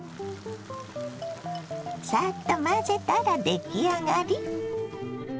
サッと混ぜたら出来上がり。